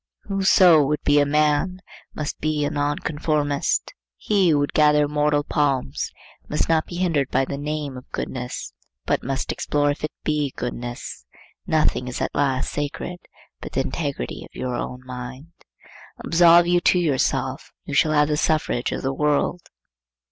Whoso would be a man, must be a nonconformist. He who would gather immortal palms must not be hindered by the name of goodness, but must explore if it be goodness. Nothing is at last sacred but the integrity of your own mind. Absolve you to yourself, and you shall have the suffrage of the world.